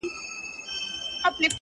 بې منزله مسافر یم، پر کاروان غزل لیکمه!